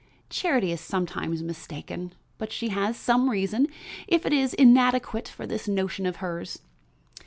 Charity is sometimes mistaken, but she has some reason, if it is inadequate, for this notion of hers.